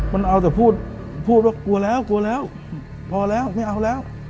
มันเอาแต่พูดพูดว่ากลัวแล้วกลัวแล้วพอแล้วไม่เอาแล้ว